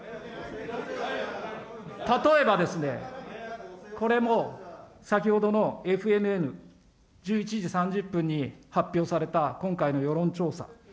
例えばですね、これも先ほどのＦＮＮ、１１時３０分に発表された今回の世論調査。